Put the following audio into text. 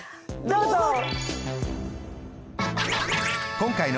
どうぞ！